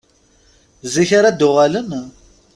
Zik ara d-uɣalen?